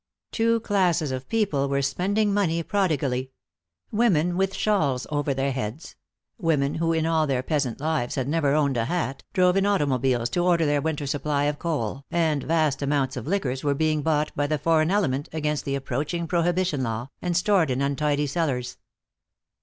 Two classes of people were spending money prodigally; women with shawls over their heads, women who in all their peasant lives had never owned a hat, drove in automobiles to order their winter supply of coal, and vast amounts of liquors were being bought by the foreign element against the approaching prohibition law, and stored in untidy cellars.